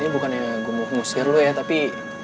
ini bukannya gue mau ngusir lo ya tapi